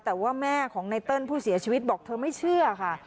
แต่ว่าแม่ของไนเติ้ลผู้เสียชีวิตบอกเธอไม่เชื่อค่ะ